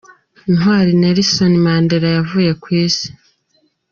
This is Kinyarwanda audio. Intwari Nelson Mandela yavuye ku Isi.